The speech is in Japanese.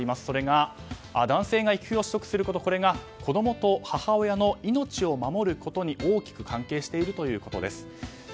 それが男性が育休を取得することこれが子供と母親の命を守ることに大きく関係しているということです。